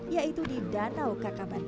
yaitu di danau kakaban